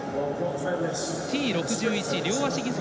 Ｔ６１両足義足。